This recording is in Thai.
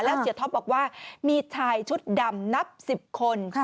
แล้วเสียท็อปบอกว่ามีชายชุดดำนับ๑๐คน